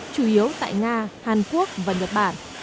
chủ yếu tại nga hàn quốc và nhật bản